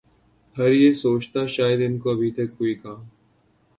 ھر یہ سوچتا شاید ان کو ابھی تک کوئی کام